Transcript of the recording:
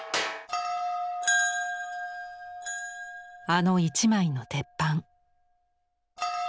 あの一枚の鉄板。